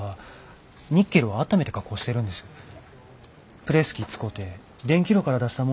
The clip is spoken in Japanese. プレス機使て電気炉から出したもん